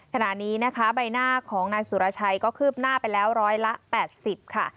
ขณะนี้นะคะใบหน้าของนายสุรชัยก็คืบหน้าไปแล้วร้อยละ๘๐ค่ะ